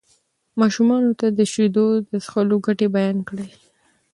ماشومانو ته د شیدو د څښلو ګټې بیان کړئ.